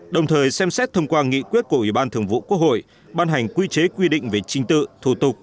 đồng thời xem xét thông qua nghị quyết của ủy ban thường vụ quốc hội ban hành quy chế quy định về trình tự thủ tục